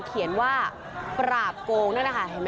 เขียนว่าปราบโกงนะคะเห็นไหมคะ